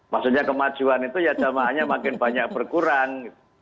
maksudnya kemajuan itu ya jamaahnya makin banyak berkurang